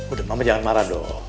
udah mama jangan marah dong